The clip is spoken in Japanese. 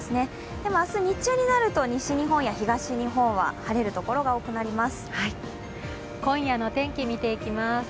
でも明日、日中になると西日本や東日本は晴れる所が多くなります。